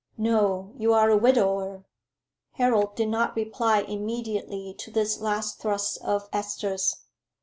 "No; you are a widower." Harold did not reply immediately to this last thrust of Esther's.